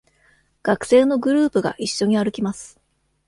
学生のグループが一緒に歩きます。